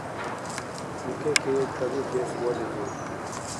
Мукеки кабихьес вализур.